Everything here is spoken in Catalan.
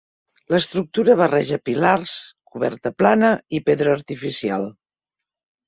L'estructura barreja pilars, coberta plana i pedra artificial.